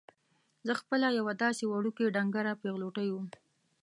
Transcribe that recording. زه خپله یوه داسې وړوکې ډنګره پېغلوټې وم.